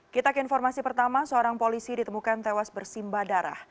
kita ke informasi pertama seorang polisi ditemukan tewas bersimba darah